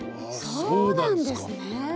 そうなんですね。